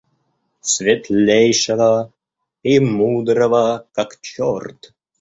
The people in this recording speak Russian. Светлейшего и мудрого как чёрт.